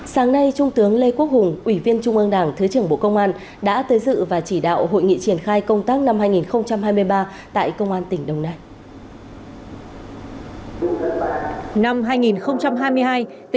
sáng nay trung tướng lê quốc hùng ủy viên trung ương đảng thứ trưởng bộ công an đã tới dự và chỉ đạo hội nghị triển khai công tác năm hai nghìn hai mươi ba tại công an tỉnh đồng nai